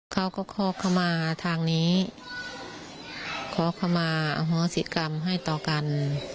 เขาก็ขอเข้ามาทางนี้ขอเข้ามาอโหสิกรรมให้ต่อกัน